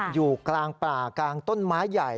อยู่กลางป่ากลางต้นไม้ใหญ่